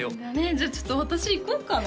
じゃあちょっと私行こうかな